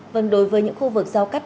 vâng đối với những khu vực giao cắt